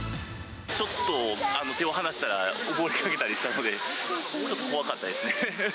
ちょっと手を離したら、溺れかけたりしたので、ちょっと怖かったですね。